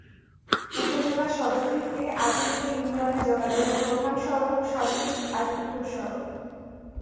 উপজেলা সদর থেকে আজিমপুর ইউনিয়নে যোগাযোগের প্রধান সড়ক সন্দ্বীপ-আজিমপুর সড়ক।